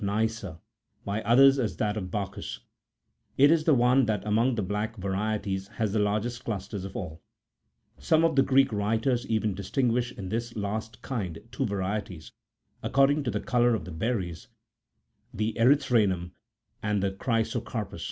62:] THE IVY. 401 it is known as the ivy of Nysa, by others as that of Bacchus :13 it is the one that among the black varieties has the largest clusters of all. Some of the Greek writers even distinguish in this last kind two varieties, according to the colour of the berries, the erythranum14 and the chrysocarpus.